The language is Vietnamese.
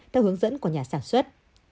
theo hướng dẫn của nhà sản xuất